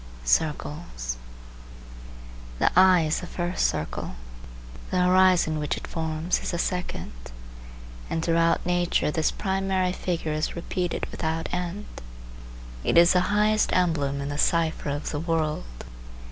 CIRCLES The eye is the first circle; the horizon which it forms is the second; and throughout nature this primary figure is repeated without end. It is the highest emblem in the cipher of the world.